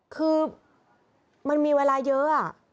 คือมันมีเวลาเยอะ